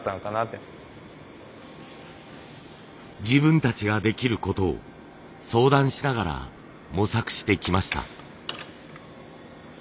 自分たちができることを相談しながら模索してきました。